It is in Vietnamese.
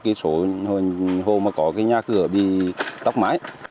cái số hôm mà có cái nhà cửa bị tóc mái